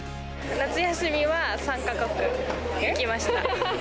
夏休みは３か国行きました。